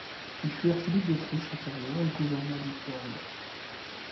Il fut archiduc d'Autriche antérieure et gouverneur du Tyrol.